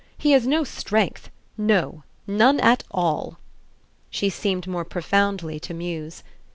He has no strength. No none at all." She seemed more profoundly to muse.